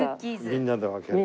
みんなで分ける。